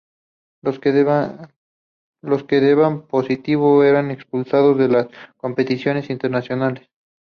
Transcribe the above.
Los que deban positivo, eran expulsados de las competiciones internacionales.